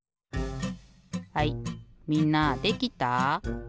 はいみんなできた？